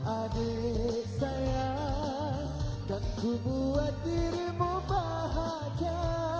adik sayang kan ku buat dirimu bahagia